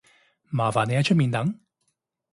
麻煩你喺出面等